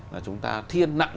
là chúng ta thiên nặng